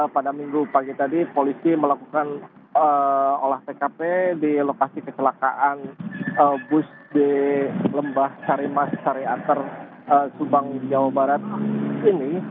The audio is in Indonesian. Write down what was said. pada minggu pagi tadi polisi melakukan olah tkp di lokasi kecelakaan bus di lembah sarimas sari akar subang jawa barat ini